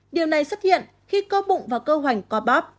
điều này xuất hiện khi cơ bụng và cơ hoành có bóp